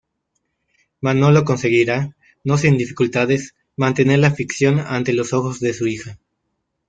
Manolo conseguirá, no sin dificultades, mantener la ficción ante los ojos de su hija.